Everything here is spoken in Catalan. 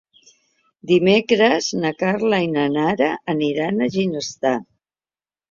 Dimecres na Carla i na Nara aniran a Ginestar.